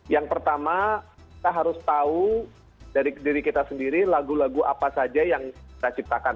yang pertama kita harus tahu dari diri kita sendiri lagu lagu apa saja yang kita ciptakan